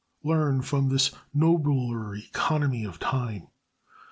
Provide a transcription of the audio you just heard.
Learn from this the nobler economy of time.